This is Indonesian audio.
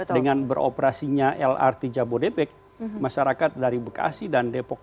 dengan beroperasinya lrt jabodebek masyarakat dari bekasi dan depok